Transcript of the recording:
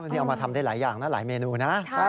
นี่เอามาทำได้หลายอย่างนะหลายเมนูนะ